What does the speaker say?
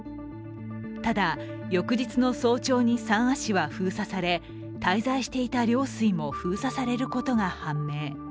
ただ、翌日の早朝に三亜市は封鎖され滞在していた陵水も封鎖されることが判明。